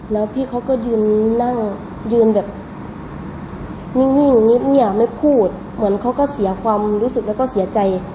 แล้วพี่เขาก็ยืนนั่งยืนแบบนิ่งเงียบไม่พูดเหมือนเขาก็เสียความรู้สึกแล้วก็เสียใจ